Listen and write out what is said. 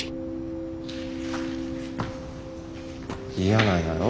嫌なんやろ？